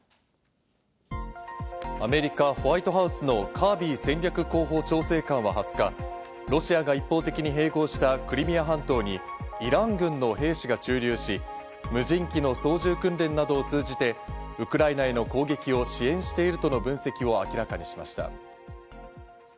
アメリカ・ホワイトハウスのカービー戦略広報調整官は２０日、ロシアが一方的に併合したクリミア半島にイラン軍の兵士が駐留し、無人機の操縦訓練などを通じて、ウクライナへの攻撃を支援しているとの分析を明らかにしました。